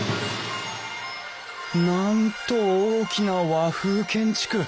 なんと大きな和風建築。